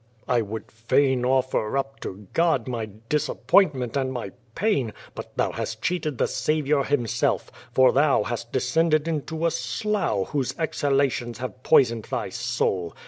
"I would fain offer up to God my disappointment and my pain, but thou hast cheated the Saviour himself, for thou hast descended into a slough whose exhalations have poisoned thy soul.